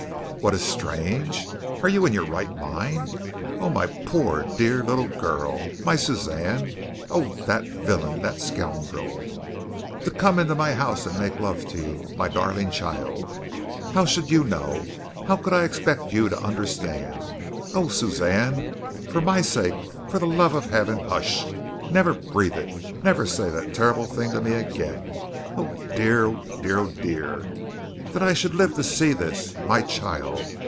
"What is strange? Are you in your right mind? Oh, my poor, dear little girl! My Suzanne! Oh, that villain! That scoundrel! To come into my house and make love to you, my darling child! How should you know? How could I expect you to understand? Oh, Suzanne! for my sake, for the love of Heaven, hush! Never breathe it! Never say that terrible thing to me again! Oh, dear! Oh, dear! Oh, dear!!! That I should live to see this! My child!